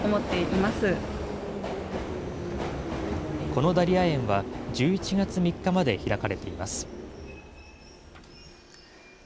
このダリア園は、１１月３日まで開かれています。